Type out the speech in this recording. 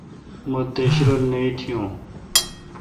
مہ دیش رل نہ ایتھیوں۔